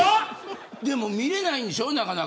でも、見れないんでしょなかなか。